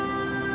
terima kasih nek